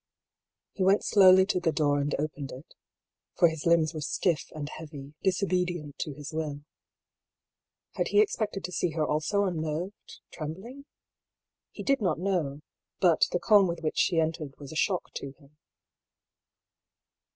He went slowly to the door and opened it — for his limbs were stiff and heavy, disobedient to his will. Had he expected to see her also unnerved, trembling ? He did not know — bat the calm with which she entered was a shock to him.